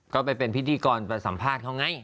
ก็ไปเป็นพิธีกรไปสัมภาษณ์เขาไง